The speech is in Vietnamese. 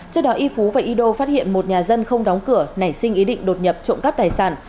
trước đó y phú và y đô phát hiện một nhà dân không đóng cửa nảy sinh ý định đột nhập trộm cắp tài sản